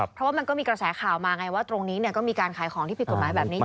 เพราะว่ามันก็มีกระแสข่าวมาไงว่าตรงนี้ก็มีการขายของที่ผิดกฎหมายแบบนี้